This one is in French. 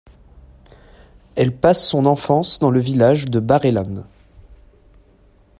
Elle passe son enfance dans le village de Barellan.